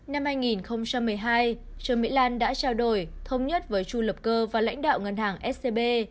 năm hai nghìn một mươi hai trương mỹ lan đã trao đổi thông nhất với chu lập cơ và lãnh đạo ngân hàng scb